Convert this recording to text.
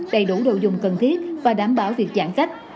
đầy đủ đồ dùng cần thiết và đảm bảo việc giãn cách